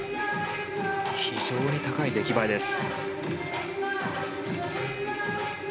非常に高い出来栄えです。